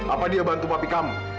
apa dia bantu papi kamu